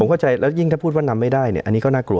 เข้าใจแล้วยิ่งถ้าพูดว่านำไม่ได้เนี่ยอันนี้ก็น่ากลัว